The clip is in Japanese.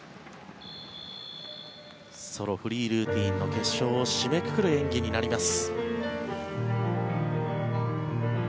ソローフリールーティンの決勝を締めくくる演技になります。